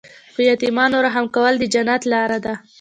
په یتیمانو رحم کول د جنت لاره ده.